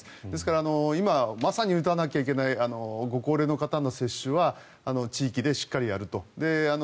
ですから今、まさに打たなきゃいけないご高齢の方の接種は地域でしっかりやると。